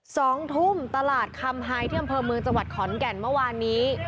สองทุ่มตลาดคำไฮด้านเธียมเผิมมือจังหวัดขอนแก่นเมื่อวานนี้